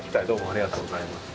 ありがとうございます。